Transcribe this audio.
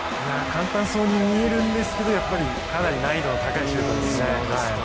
簡単そうに見えるんですけどかなり難易度の高いシュートですね。